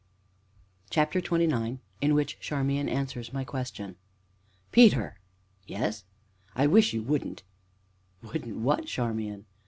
CHAPTER XXIX IN WHICH CHARMIAN ANSWERS MY QUESTION "Peter!" "Yes?" "I wish you wouldn't." "Wouldn't what, Charmian?"